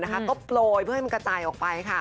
ก็โปรยเพื่อให้มันกระจายออกไป